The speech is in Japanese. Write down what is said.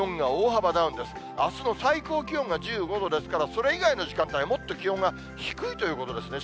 あすの最高気温が１５度ですから、それ以外の時間帯は、もっと気温が低いということですね。